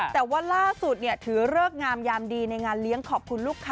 แต่ว่าล่าสุดถือเลิกงามยามดีในงานเลี้ยงขอบคุณลูกค้า